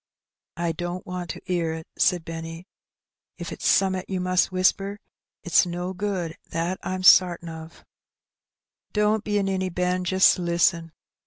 ''I don't want to 'ear it," said Benny, "if it's some'at you must whisper. It's no good, that I'm sartin of." " Don't be a ninny, Ben. Just listen."